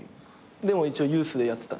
でも一応ユースでやってたんでしょ。